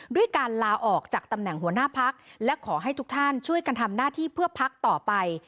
ด้วยการลาออกจากตำแหน่งหัวหน้าพักและขอให้ทุกท่านช่วยกันทำหน้าที่เพื่อพักต่อไป